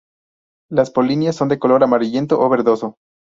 Las polinias son de color amarillento o verdoso.